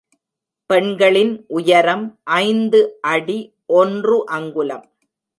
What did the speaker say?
பெண்களின் உயரம் ஐந்து அடி ஒன்று அங்குலம்.